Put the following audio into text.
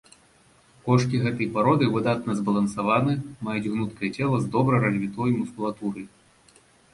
Кошкі гэтай пароды выдатна збалансаваны, маюць гнуткае цела з добра развітой мускулатурай.